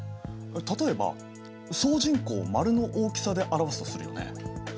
例えば総人口を丸の大きさで表すとするよね。